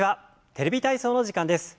「テレビ体操」の時間です。